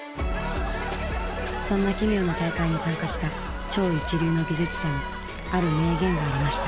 そんな奇妙な大会に参加した超一流の技術者のある名言がありました。